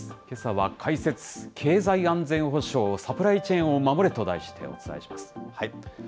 けさは解説、経済安全保障、サプライチェーンを守れと題してお伝えします。